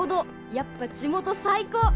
やっぱ地元最高！」。